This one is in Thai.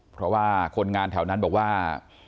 เพราะว่าคนงานแถวนั้นบอกว่า